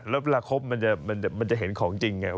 แล้วเวลาครบมันจะเห็นของจริงไง